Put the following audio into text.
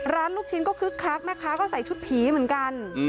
ลูกชิ้นก็คึกคักแม่ค้าก็ใส่ชุดผีเหมือนกัน